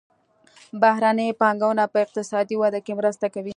بهرنۍ پانګونه په اقتصادي وده کې مرسته کوي.